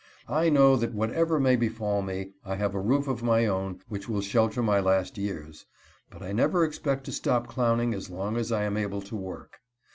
I know that whatever may befall me I have a roof of my own which will shelter my last years. But I never expect to stop clowning as long as I am able to work.